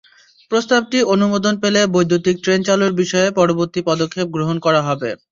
প্রস্তাবটি অনুমোদন পেলে বৈদ্যুতিক ট্রেন চালুর বিষয়ে পরবর্তী পদক্ষেপ গ্রহণ করা হবে।